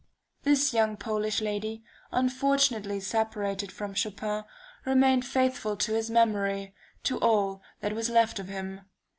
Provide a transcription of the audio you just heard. This young Polish lady, unfortunately separated from Chopin, remained faithful to his memory, to all that was left of him.